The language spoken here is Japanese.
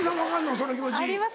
その気持ち。